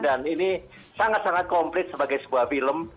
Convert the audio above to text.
dan ini sangat sangat komplit sebagai sebuah film